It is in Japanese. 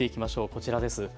こちらです。